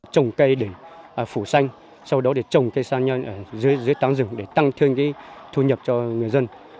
trồng cây để phủ xanh sau đó trồng cây sa nhân dưới tán rừng để tăng thương thu nhập cho người dân